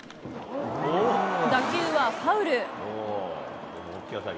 打球はファウル。